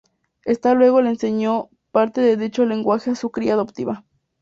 Esta luego le enseñó parte de dicho lenguaje a su cría adoptiva.